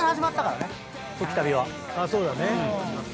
そうだね。